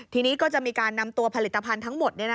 ทีนี้ก็จะมีการนำตัวผลิตภัณฑ์ทั้งหมด